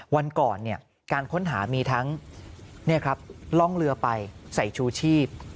วันก่อนการค้นหามีทั้งล่องเรือไปใส่ชูชีพ